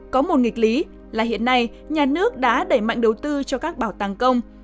có một nghịch lý là hiện nay nhà nước đã đẩy mạnh đầu tư cho các bảo tàng công